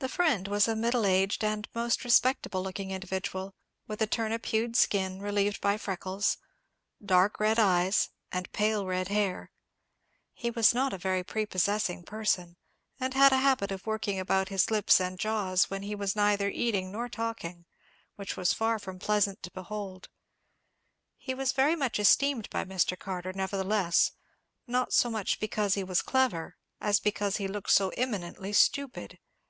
The friend was a middle aged and most respectable looking individual, with a turnip hued skin relieved by freckles, dark red eyes, and pale red hair. He was not a very prepossessing person, and had a habit of working about his lips and jaws when he was neither eating nor talking, which was far from pleasant to behold. He was very much esteemed by Mr. Carter, nevertheless; not so much because he was clever, as because he looked so eminently stupid.